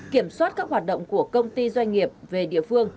kiểm soát các hoạt động của công ty doanh nghiệp về địa phương